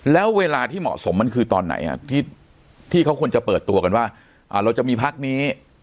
แล้วเวลาที่เหมาะสมมันคือตอนไหนที่เขาควรจะเปิดตัวกันว่าเราจะมีพักนี้